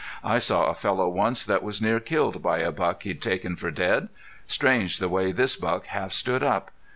"I saw a fellow once that was near killed by a buck he'd taken for dead.... Strange the way this buck half stood up.